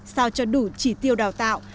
sao cho đủ chỉ tiêu đào tạo